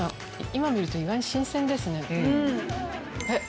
今見ると意外に新鮮ですね。